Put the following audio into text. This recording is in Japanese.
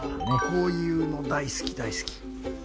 こういうの大好き大好き。